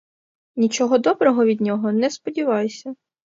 Нічого доброго від нього не сподівайся.